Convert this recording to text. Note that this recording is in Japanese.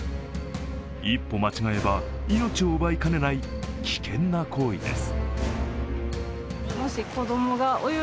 一歩間違えば命を奪いかねない危険な行為です。